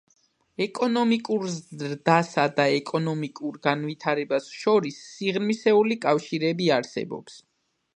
ეკონომიკურ ზრდასა და ეკონომიკურ განვითარებას შორის სიღრმისეული კავშირი არსებობს.